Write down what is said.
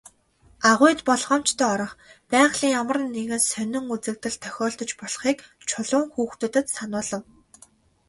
Агуйд болгоомжтой орох, байгалийн ямар нэгэн сонин үзэгдэл тохиолдож болохыг Чулуун хүүхдүүдэд сануулав.